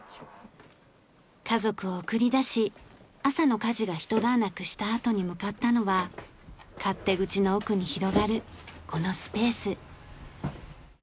家族を送り出し朝の家事がひと段落したあとに向かったのは勝手口の奥に広がるこのスペース。